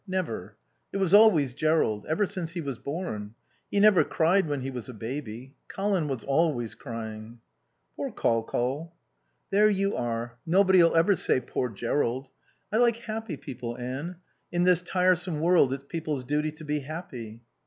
Never. It was always Jerrold. Ever since he was born. He never cried when he was a baby. Colin was always crying." "Poor Col Col." "There you are. Nobody'll ever say, 'Poor Jerrold'. I like happy people, Anne. In this tiresome world it's people's duty to be happy."